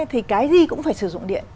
thì cái gì cũng phải sử dụng điện